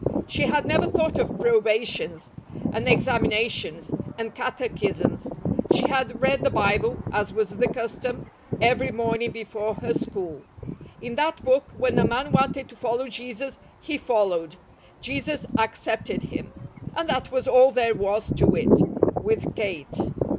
She had never thought of probations, and examinations, and catechisms. She had read the Bible, as was the custom, every morning before her school. In that book, when a man wanted to follow Jesus, he followed; Jesus accepted him; and that was all there was to it, with Kate.